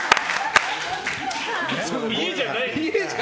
家じゃないです。